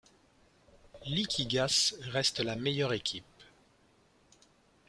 Liquigas reste la meilleure équipe.